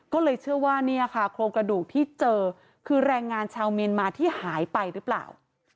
ก็เลยเชื่อว่าเนี่ยค่ะโครงกระดูกที่เจอคือแรงงานชาวเมียนมาที่หายไปหรือเปล่า